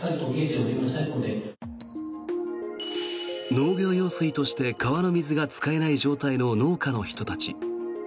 農業用水として川の水が使えない状態の農家の人たち。